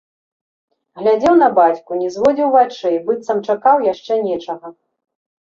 Глядзеў на бацьку, не зводзіў вачэй, быццам чакаў яшчэ нечага.